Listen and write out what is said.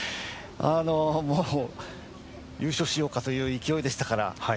もう、優勝しようかという勢いでしたから。